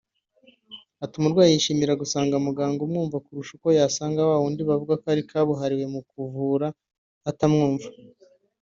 Ati “Umurwayi yishimira gusanga umuganga umwumva kuruta uko yasanga wa wundi bavuga ko ari kabuhariwe mu kuvura utamwumva